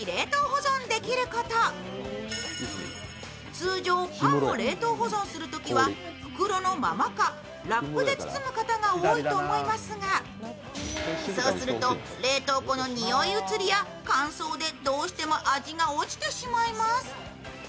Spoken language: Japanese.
通常パンを冷凍保存するときは袋のままかラップで包む方が多いと思いますが、そうすると冷凍庫の臭い移りや乾燥でどうしても味が落ちてしまいます。